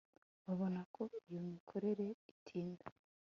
babona ko iyo mikorere itinda